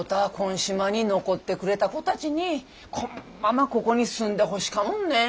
島に残ってくれた子たちにこんままここに住んでほしかもんね。